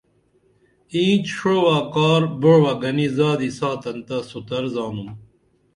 اینچ شعوہ کار بعوہ گنی زادی ساتن تہ سُتر زانتُھم